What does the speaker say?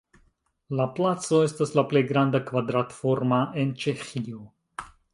La placo estas la plej granda kvadrat-forma en Ĉeĥio.